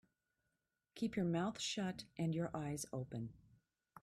Keep your mouth shut and your eyes open.